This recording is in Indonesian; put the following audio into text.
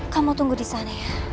kamu tunggu disana ya